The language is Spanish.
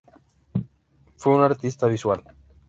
Fue una artista visual.